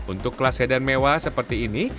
untuk kelas sedan mewah seperti ini